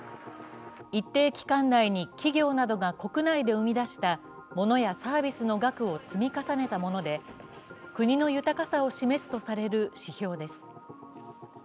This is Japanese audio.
一定期間内に企業などで国内で生み出した物やサービスの額を積み重ねたもので、国の豊かさを示すとされる指標です。